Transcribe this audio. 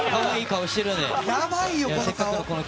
やばいよ、この顔。